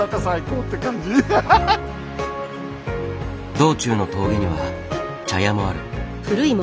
道中の峠には茶屋もある。